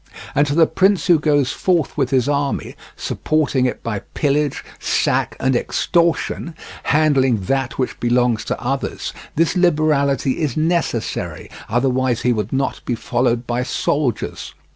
And to the prince who goes forth with his army, supporting it by pillage, sack, and extortion, handling that which belongs to others, this liberality is necessary, otherwise he would not be followed by soldiers.